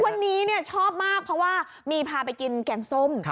วันนี้ชอบมากเพราะว่ามีพาไปกินแกงส้ม